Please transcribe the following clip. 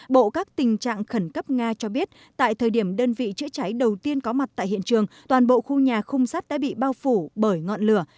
bộ các tình trạng khẩn cấp nga cho biết tại thời điểm đơn vị chữa cháy đầu tiên có mặt tại hiện trường toàn bộ khu nhà khung sát đã bị bao phủ bởi ngọn lửa